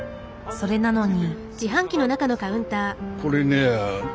それなのに。